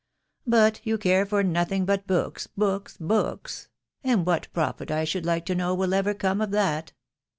But you care for nothing but books, books, books !.... and what profit, I should like to know, will ever come of that?"